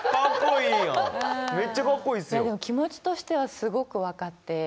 気持ちとしてはすごく分かって。